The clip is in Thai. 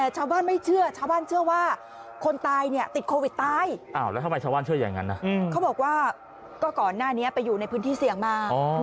เขาบอกว่าก่อนหน้านี้ไปอยู่ในพื้นที่เสี่ยงมา